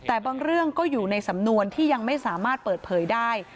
แต่บางเรื่องก็อยู่ในสำนวนที่ยังไม่สามารถเปิดเผยได้